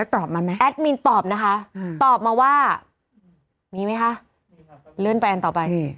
ตอบมาว่ามีไหมคะ